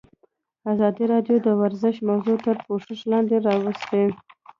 ازادي راډیو د ورزش موضوع تر پوښښ لاندې راوستې.